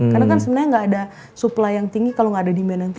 karena kan sebenarnya gak ada supply yang tinggi kalo gak ada demand yang tinggi